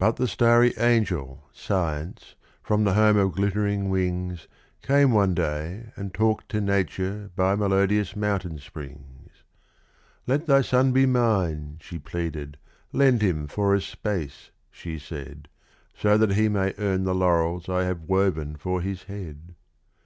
But the starry angel, Science, from the home of glittering wings, Came one day and talked to Nature by melodious mountain springs: "Let thy son be mine," she pleaded; "lend him for a space," she said, "So that he may earn the laurels I have woven for his head!"